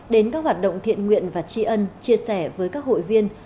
đến các hoạt động thiện nguyện và tri ân chia sẻ với các hội viên